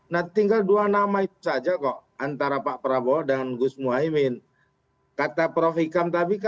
nah tinggal dua namanya saja kok antara pak prabowo dan gus muhaymin kata profikam tapi